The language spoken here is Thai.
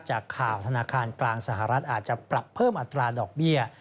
จากข่าวธนาคารกลางสหรัฐอาจจะปรับเพิ่มอัตราดอกเบี้ย